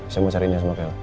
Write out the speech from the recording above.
saya mau cari nia sama kayla